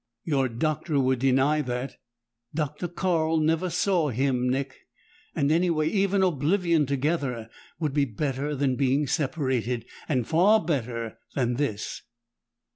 "Your Doctor would deny that." "Doctor Carl never saw him, Nick. And anyway, even oblivion together would be better than being separated, and far better than this!"